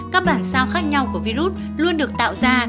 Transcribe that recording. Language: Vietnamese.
các bản sao khác nhau của virus luôn được tạo ra